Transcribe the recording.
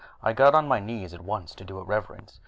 I got on my knees at once to do it reverence.